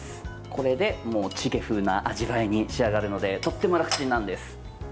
これでチゲ風な味わいに仕上がるのでとっても楽チンなんです。